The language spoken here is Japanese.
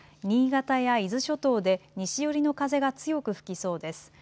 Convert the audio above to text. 新潟や伊豆諸島で西寄りの風が強く吹きそうです。